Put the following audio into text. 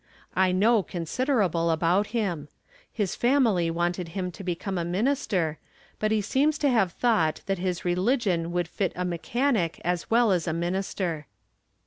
I know considerable about him. His family wanted him to become a minister, but he seems to have thought that his religion would fit a mechanic as well as a min ister.